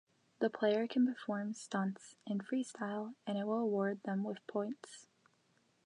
The player can perform stunts in Freestyle and it will award them with points.